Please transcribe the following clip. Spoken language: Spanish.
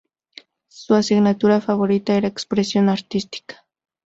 Su asignatura favorita era Expresión Artística.